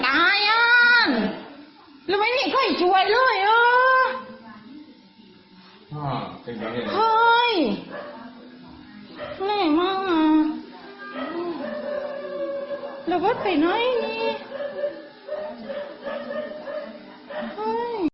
น่าละแม่งละเวิร์ดไปน้อยนี่